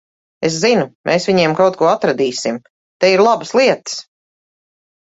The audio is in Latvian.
Es zinu, mēs viņiem kaut ko atradīsim. Te ir labas lietas.